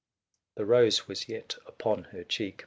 500 The rose was yet upon her cheek.